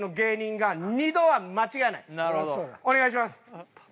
お願いします。